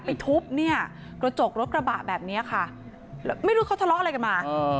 ทุบเนี่ยกระจกรถกระบะแบบนี้ค่ะไม่รู้เขาทะเลาะอะไรกันมา